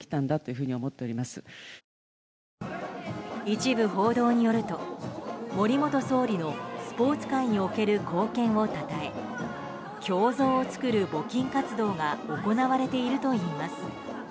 一部報道によると森元総理のスポーツ界における貢献をたたえ胸像を作る募金活動が行われているといいます。